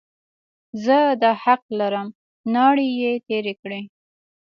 زه دا حق لرم، ناړې یې تېرې کړې.